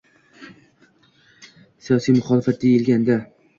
Siyosiy muxolifat deyilganda